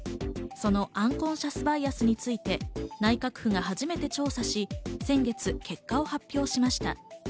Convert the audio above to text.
そのアンコンシャス・バイアスについて内閣府が初めて調査し、先月、結果を発表しました。